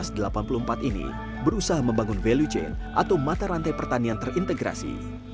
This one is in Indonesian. di tahun seribu sembilan ratus sembilan puluh empat ini berusaha membangun value chain atau mata rantai pertanian terintegrasi